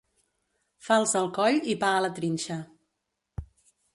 Falç al coll i pa a la trinxa.